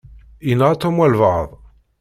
Yenɣa Tom walebɛaḍ.